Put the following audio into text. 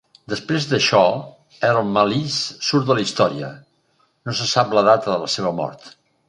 Després d'això, Earl Malise surt de la història; no se sap la data de la seva mort.